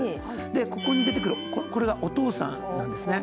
ここに出てくる、これがお父さんなんですね。